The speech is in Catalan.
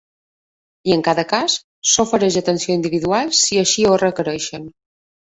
I en cada cas, s’ofereix atenció individual si així ho requereixen.